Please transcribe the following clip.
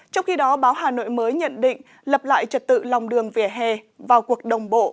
trong khi đó báo hà nội mới nhận định lập lại trật tự lòng đường vỉa hè vào cuộc đồng bộ